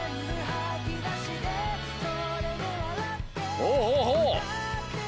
ほうほうほう！